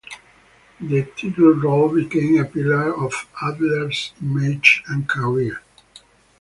The title role became a pillar of Adler's image and career.